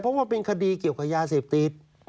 เพราะว่าเป็นคดีเกี่ยวกับยาเสพติด